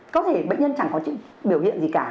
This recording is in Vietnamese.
có thể bệnh nhân chẳng có biểu hiện gì cả